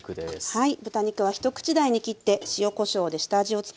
はい。